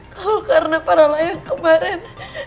kalau karena paralah yang kemarin